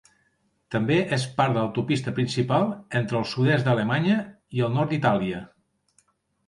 També és part de l'autopista principal entre el sud-est d'Alemanya i el nord d'Itàlia.